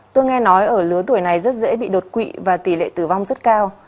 tôi nghe nói ở lứa tuổi này rất dễ bị đột quỵ và tỷ lệ tử vong rất cao